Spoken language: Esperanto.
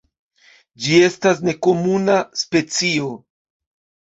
Ĝi estas nekomuna specio.